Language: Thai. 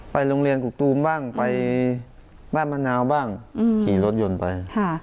โรงเรียนกกตูมบ้างไปบ้านมะนาวบ้างขี่รถยนต์ไป